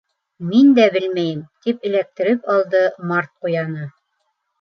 —Мин дә белмәйем, —тип эләктереп алды Март Ҡуяны.